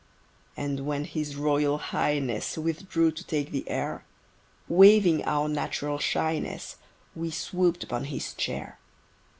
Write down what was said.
And when His Royal Highness Withdrew to take the air, Waiving our natural shyness, We swoop'd upon his chair.